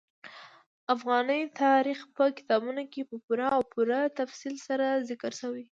افغاني تاریخ په کتابونو کې په پوره او پوره تفصیل سره ذکر شوی دي.